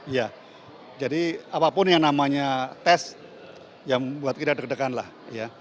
ya jadi apapun yang namanya test yang buat kita deg degan lah ya